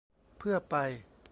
เพื่อไป